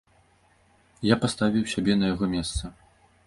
Я паставіў сябе на яго месца.